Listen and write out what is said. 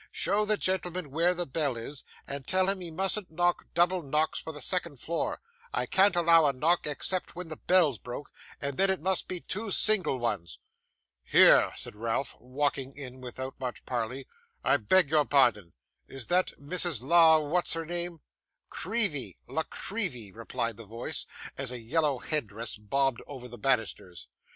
'Show the gentleman where the bell is, and tell him he mustn't knock double knocks for the second floor; I can't allow a knock except when the bell's broke, and then it must be two single ones.' 'Here,' said Ralph, walking in without more parley, 'I beg your pardon; is that Mrs. La what's her name?' 'Creevy La Creevy,' replied the voice, as a yellow headdress bobbed over the banisters.